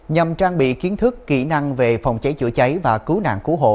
nhằm trang bị kiến thức kỹ năng về phòng cháy chữa cháy và cứu nạn cứu hộ